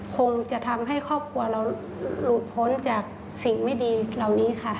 คงจะทำให้ครอบครัวเราหลุดพ้นจากสิ่งไม่ดีเหล่านี้ค่ะ